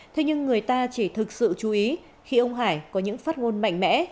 thế nhưng người ta chỉ thực sự chú ý khi ông hải có những phát ngôn mạnh mẽ